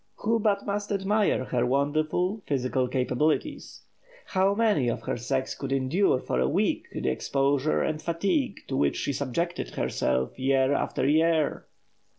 Who but must admire her wonderful physical capabilities? How many of her sex could endure for a week the exposure and fatigue to which she subjected herself year after year?